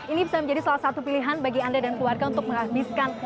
ini bisa menjadi salah satu pilihan bagi anda dan keluarga untuk menghabiskan